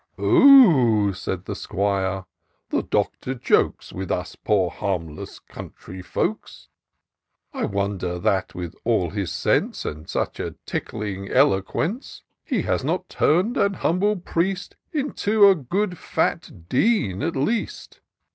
" Oh !" said the 'Squire, " the Doctor jokes With us poor harmless country folks : I wonder that, with all his sense, And such a tickling eloquence. He has not tum'd an humble priest Into a good fat dean, at least.